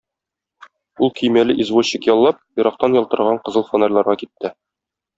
Ул, көймәле извозчик яллап, ерактан ялтыраган кызыл фонарьларга китте.